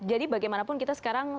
jadi bagaimanapun kita sekarang